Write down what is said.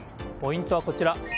ポイントはこちら。